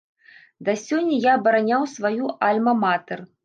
Да сёння я абараняў сваю альма-матэр.